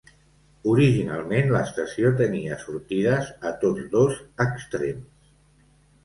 Originalment, l'estació tenia sortides a tots dos extrems.